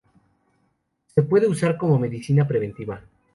Se puede usar como medicina preventiva.